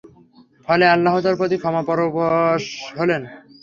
ফলে আল্লাহ তার প্রতি ক্ষমা পরবশ হলেন।